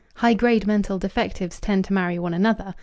"High grade" mental defectives tend to marry one another.